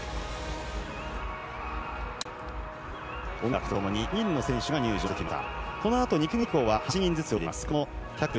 音楽とともに４人の選手が入場してきました。